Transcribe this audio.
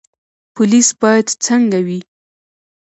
پولیس باید څنګه وي؟